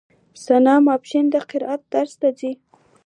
ثنا ماسپښين د قرائت درس ته ځي.